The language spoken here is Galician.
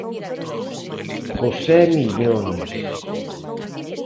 José Miñones.